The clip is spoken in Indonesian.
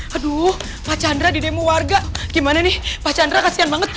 aduh pak chandra di demo warga gimana nih pak chandra kasihan banget